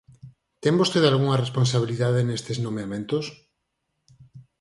¿Ten vostede algunha responsabilidade nestes nomeamentos?